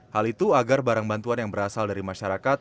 hal itu agar barang bantuan yang berasal dari masyarakat